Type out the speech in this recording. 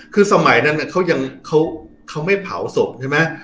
คือสมัยนั้นเขายังเขาไม่เผาศพใช่ไหม